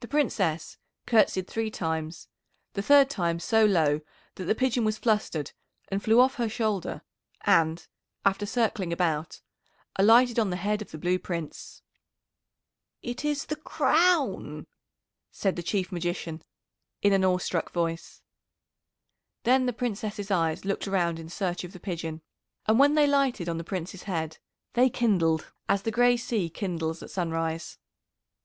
The Princess courtesied three times, the third time so low that the pigeon was flustered, and flew off her shoulder, and, after circling about, alighted on the head of the Blue Prince. [Illustration: "THE BEAUTIFUL PRINCESS, PRECEDED BY TRUMPETERS, WAS CONDUCTED TO THE PALACE."] "It is the Crown," said the Chief Magician, in an awestruck voice. Then the Princess's eyes looked around in search of the pigeon, and when they lighted on the Prince's head they kindled as the grey sea kindles at sunrise.